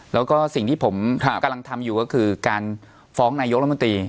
แล้วก็สิ่งที่ผมกำลังทำอยู่ก็คือการฟ้องนายกรัฐมนตรี